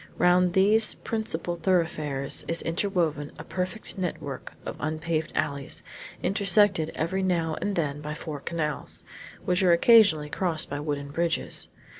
Round these principal thoroughfares is interwoven a perfect network of unpaved alleys, intersected every now and then by four canals, which are occasionally crossed by wooden bridges.